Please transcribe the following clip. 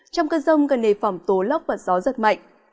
trong cơn rông cần đề phỏng tố lốc và gió giật mạnh